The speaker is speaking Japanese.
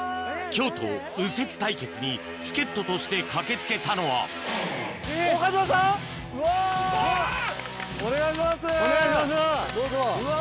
京都右折対決に助っ人として駆け付けたのはうわ！